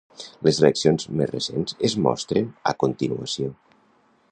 Les eleccions més recents es mostren a continuació.